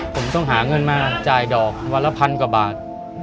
ผมต้องหาเงินมาจ่ายดอกวันละพันกว่าบาท